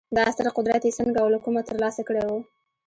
دا ستر قدرت یې څنګه او له کومه ترلاسه کړی و